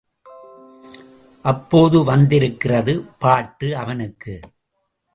அப்போது வந்திருக்கிறது பாட்டு அவனுக்கு.